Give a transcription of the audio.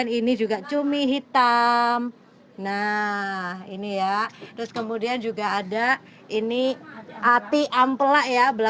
yang prosperous kita jadi f flexible